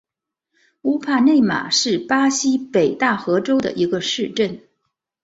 乌帕内马是巴西北大河州的一个市镇。